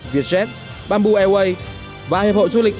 việt jet bamboo airways và hiệp hội du lịch